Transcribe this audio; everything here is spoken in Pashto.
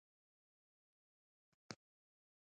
ښکلا دستورولري ښکلی دی شهوار سړی دی